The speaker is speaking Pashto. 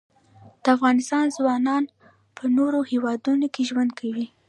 د افغانستان ځوانان په نورو هیوادونو کې ژوند کوي.